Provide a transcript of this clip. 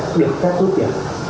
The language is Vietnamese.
được phép rút tiền